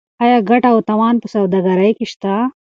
آیا ګټه او تاوان په سوداګرۍ کې شته؟